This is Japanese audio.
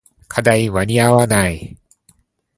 課題間に合わない